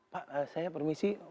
pak saya permisi